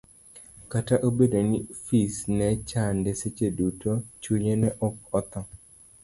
Kata obedo ni fis ne chande seche duto, chunye ne ok otho.